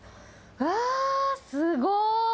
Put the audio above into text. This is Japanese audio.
うわー、すごーい。